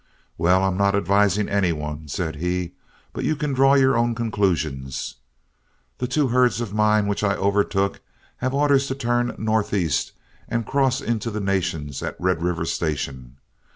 "Well, I'm not advising any one," said he, "but you can draw your own conclusions. The two herds of mine, which I overtook, have orders to turn northeast and cross into the Nations at Red River Station.